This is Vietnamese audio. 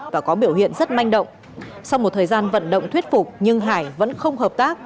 và có biểu hiện rất manh động sau một thời gian vận động thuyết phục nhưng hải vẫn không hợp tác